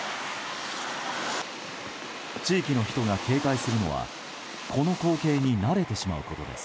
地域の人が警戒するのはこの光景に慣れてしまうことです。